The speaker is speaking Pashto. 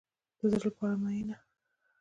د زړه لپاره مینه.